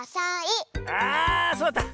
あそうだった。